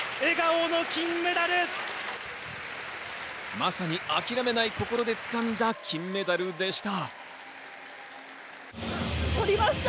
まさに諦めない心で掴んだ金メダルでした。